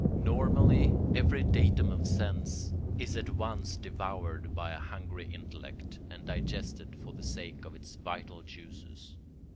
Normally every datum of sense is at once devoured by a hungry intellect and digested for the sake of its vital juices.